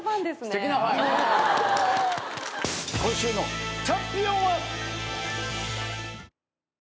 今週のチャンピオンは。